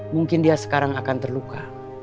mungkin dia sekarang akan terluka